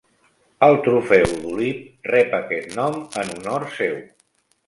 El trofeu Duleep rep aquest nom en honor seu.